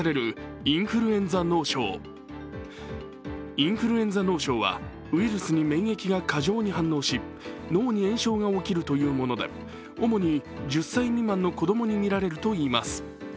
インフルエンザ脳症はウイルスに免疫が過剰に反応し脳に炎症が起きるというもので主に１０歳未満の子供に見られるといいます。